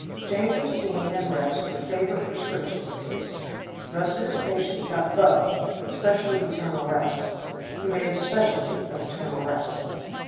Change of scene and rest were favorite prescriptions of his. Most of his patients got both, especially eternal rest. He made a specialty of eternal rest.